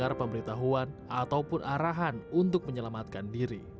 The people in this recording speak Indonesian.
ada pemberitahuan ataupun arahan untuk menyelamatkan diri